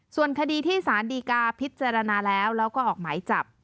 ส่วนคดีที่สารดีกาพิจารณาแล้วแล้วก็ออกหมายจับ